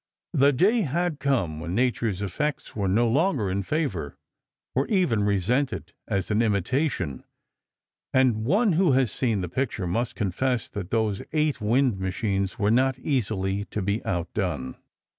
The day had come when Nature's effects were no longer in favor—were even resented, as an imitation; and one who has seen the picture must confess that those eight wind machines were not easily to be outdone.